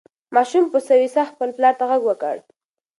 ماشوم په سوې ساه خپل پلار ته غږ وکړ.